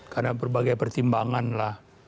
karena berbagai pertimbangan lah